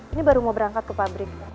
ini baru mau berangkat ke pabrik